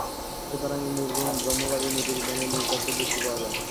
সুতরাং এই নির্গুণ ব্রহ্মবাদেই নীতিবিজ্ঞানের মূলতত্ত্বের যুক্তি পাওয়া যায়।